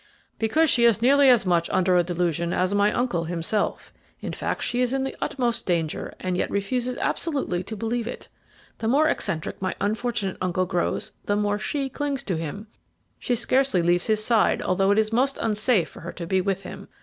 "Because she is nearly as much under a delusion as my uncle himself. The fact is she is in the utmost danger, and yet refuses absolutely to believe it. The more eccentric my unfortunate uncle grows, the more she clings to him; she scarcely leaves his side, although it is most unsafe for her to be with him.